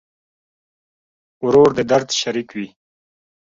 ورور د درد شریک وي.